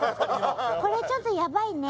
これちょっとやばいね